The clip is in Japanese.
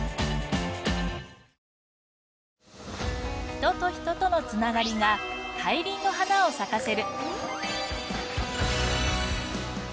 人と人との繋がりが大輪の花を咲かせる。